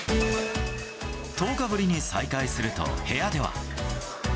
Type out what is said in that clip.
１０日ぶりに再会すると、部屋では。